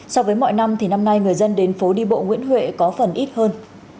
so với mọi năm thì năm nay người dân đến phố đi bộ nguyễn huệ có phần ít hơn